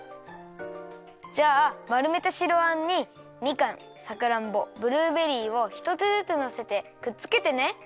じゃあまるめた白あんにみかんさくらんぼブルーベリーをひとつずつのせてくっつけてね。